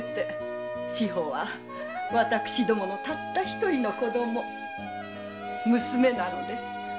志保は私どものたった一人の娘なのです。